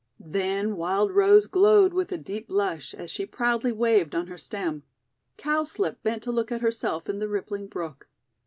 Then Wild Rose glowed with a deep blush, as she proudly waved on her stem. Cowslip bent to look at herself in the rippling brook.